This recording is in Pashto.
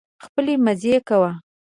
خپلې مزې کوه.